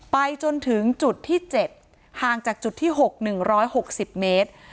ไปจนถึงจุดที่๗ห่างจากจุดที่๖๑๖๐เมตร